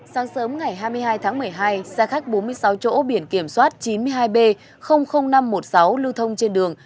sáng sớm ngày hai mươi hai tháng một mươi hai xe khách bốn mươi sáu chỗ biển kiểm soát chín mươi hai b năm trăm một mươi sáu lưu thông trên đường